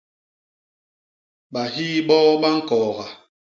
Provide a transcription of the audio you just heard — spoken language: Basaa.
Bahiiboo ba ñkooga!